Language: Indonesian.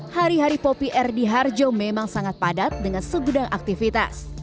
hari hari popi r di harjo memang sangat padat dengan segudang aktivitas